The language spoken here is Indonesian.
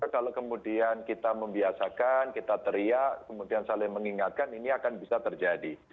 kalau kemudian kita membiasakan kita teriak kemudian saling mengingatkan ini akan bisa terjadi